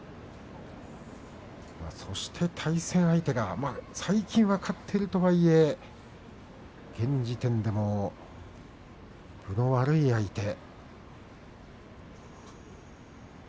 そして対戦相手が最近は勝っているとはいえ現時点でも分の悪い相手。